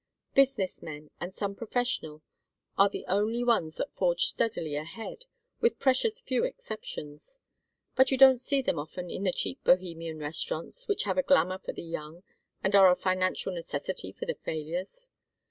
Business men and some professional are the only ones that forge steadily ahead; with precious few exceptions. But you don't see them often in the cheap Bohemian restaurants, which have a glamour for the young, and are a financial necessity for the failures.